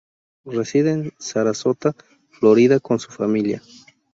Reside en Sarasota, Florida con su familia.